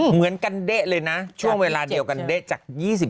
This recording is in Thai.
เหมือนกันเด๊ะเลยนะช่วงเวลาเดียวกันเด๊ะจาก๒๕